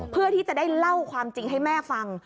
เพื่อที่จะได้เล่าความจริงให้แม่ฟัง